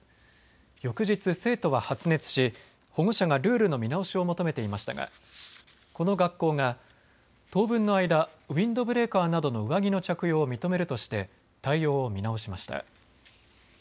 翌日、生徒は発熱し保護者がルールの見直しを求めていましたがこの学校が当分の間、ウインドブレーカーなどの上着の着用を認めるとして対応を見直しました。